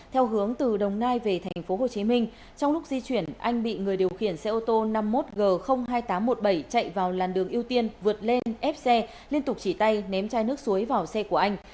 theo hướng từ đồng nai về tp hcm trong lúc di chuyển anh bị người điều khiển xe ô tô năm mươi một g hai nghìn tám trăm một mươi bảy chạy vào làn đường ưu tiên vượt lên ép xe liên tục chỉ tay ném chai nước suối vào xe của anh